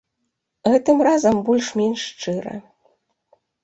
Гэтым разам больш-менш шчыра.